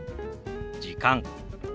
「時間」。